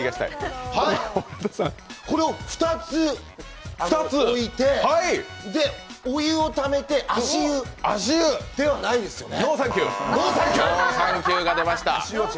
これを２つ置いて、で、お湯をためて足湯ではないですよね。